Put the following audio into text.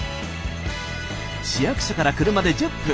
市役所から車で１０分。